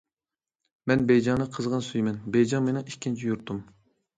مەن بېيجىڭنى قىزغىن سۆيىمەن، بېيجىڭ مېنىڭ ئىككىنچى يۇرتۇم.